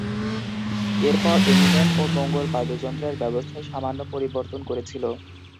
এরপর এমিনেম ও মঙ্গল বাদ্যযন্ত্রের ব্যবস্থায় সামান্য পরিবর্তন করেছিল।